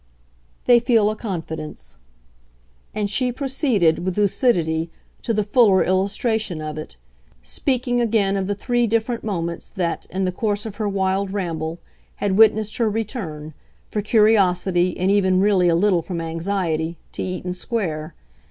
"They feel a confidence." And she proceeded, with lucidity, to the fuller illustration of it; speaking again of the three different moments that, in the course of her wild ramble, had witnessed her return for curiosity, and even really a little from anxiety to Eaton Square.